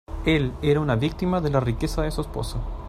Él era una víctima de la riqueza de su esposa.